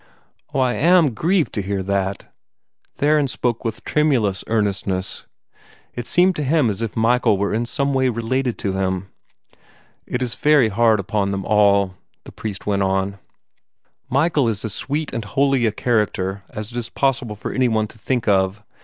"Oh, I am GRIEVED to hear that!" Theron spoke with tremulous earnestness. It seemed to him as if Michael were in some way related to him. "It is very hard upon them all," the priest went on. "Michael is as sweet and holy a character as it is possible for any one to think of.